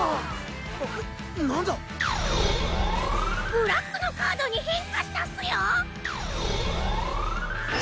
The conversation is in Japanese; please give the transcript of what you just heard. ブラックのカードに変化したッスよ！？